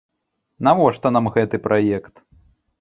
Навошта нам гэты праект?